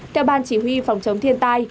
theo ban chỉ huy phòng chống thiên tai